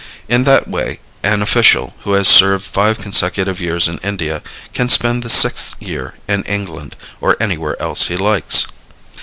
In that way an official who has served five consecutive years in India can spend the sixth year in England or anywhere else he likes.